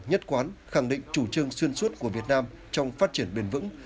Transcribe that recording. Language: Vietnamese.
nhất quán khẳng định chủ trương xuyên suốt của việt nam trong phát triển bền vững